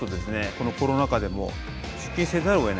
このコロナ禍でも出勤せざるをえない環境なんですよ。